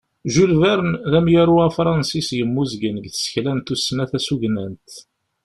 Jules Verne d amyaru afransis yemmuzgen deg tsekla n tussna tasugnant.